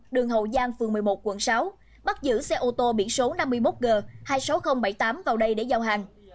đường hậu giang phường một mươi một quận sáu bắt giữ xe ô tô biển số năm mươi một g hai mươi sáu nghìn bảy mươi tám vào đây để giao hàng